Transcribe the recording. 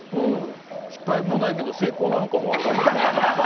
失敗もないけど成功もあるのか分からない。